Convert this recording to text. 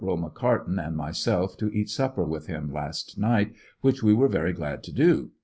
McCarten and myself to eat supper with him last night, which we w^ere very glad to do